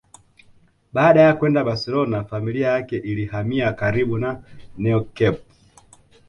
Baada ya kwenda Barcelona familia yake ilihamia karibu na Neo camp